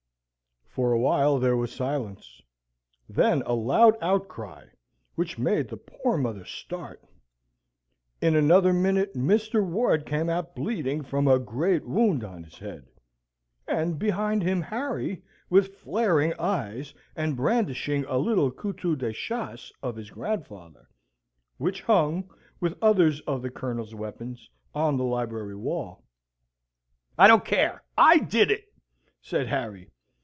For a while there was silence: then a loud outcry, which made the poor mother start. In another minute Mr. Ward came out bleeding, from a great wound on his head, and behind him Harry, with flaring eyes, and brandishing a little couteau de chasse of his grandfather, which hung, with others of the Colonel's weapons, on the library wall. "I don't care. I did it," says Harry.